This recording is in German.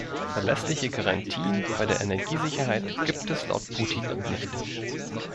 Verlässliche Garantien bei der Energiesicherheit gibt es laut Putin nicht.